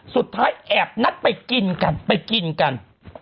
สุดท้ายแอบนัดไปกินกันไปกินกัน